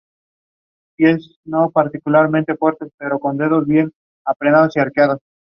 Su capital es la ciudad de Rieti.